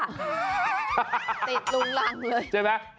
ติดลุงรังเลย